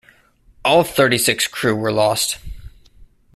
All thirty-six crew were lost.